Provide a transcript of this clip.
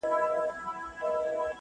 پر چنارونو به یې کښلي قصیدې وي وني.